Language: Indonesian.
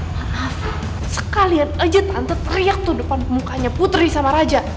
hahaha sekalian aja tante teriak tuh depan mukanya putri sama raja